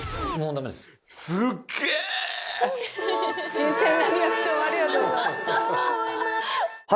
新鮮なリアクションありがとうございます。